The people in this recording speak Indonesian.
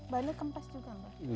bannya kempas juga mba